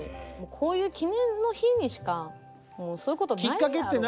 こういう記念の日にしかもうそういうことないやろうと。